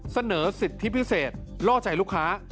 เสนอสิทธิพิเศษล่อใจลูกค้า